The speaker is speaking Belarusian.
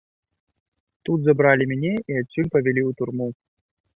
Тут забралі мяне і адсюль павялі ў турму.